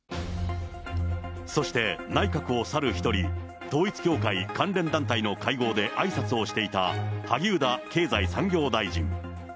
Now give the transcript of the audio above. そして、内閣を去る一人、統一教会関連団体の会合であいさつをしていた、萩生田経済産業大臣。